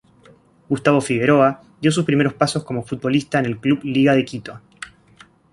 Gustavo Figueroa dio sus primeros pasos como futbolista en el club Liga de Quito.